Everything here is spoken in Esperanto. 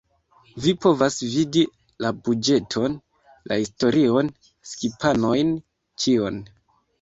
Vi povas vidi la buĝeton, la historion, skipanojn, ĉion